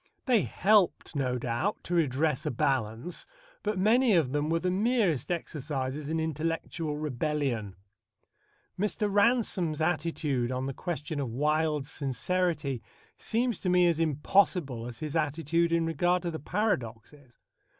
They helped, no doubt, to redress a balance, but many of them were the merest exercises in intellectual rebellion. Mr. Ransome's attitude on the question of Wilde's sincerity seems to me as impossible as his attitude in regard to the paradoxes.